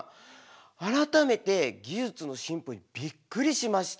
改めて技術の進歩にびっくりしました。